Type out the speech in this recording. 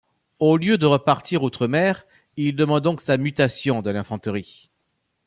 Au lieu de repartir outre-mer, il demande donc sa mutation dans l’infanterie.